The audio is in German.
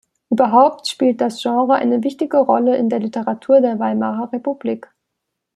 Überhaupt spielt das Genre eine wichtige Rolle in der Literatur der Weimarer Republik.